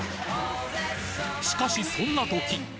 しかしそんな時！